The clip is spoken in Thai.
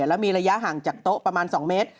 แล้วมีระยะห่างจากโต๊ะประมาณ๒เมตร